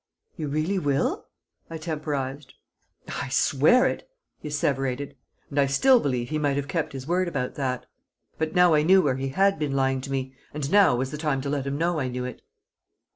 "You really will?" I temporised. "I swear it!" he asseverated; and I still believe he might have kept his word about that. But now I knew where he had been lying to me, and now was the time to let him know I knew it.